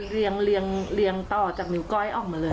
เรียงต่อจากนิ้วก้อยออกมาเลย